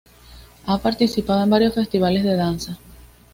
Ha participado en varios festivales de danza.